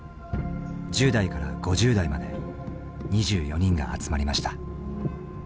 １０代から５０代まで２４人が集まりました。